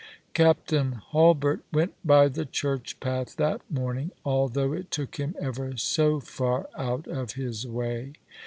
Captain Hulbert went by the church path that morning, although it took him ever so far out of his way.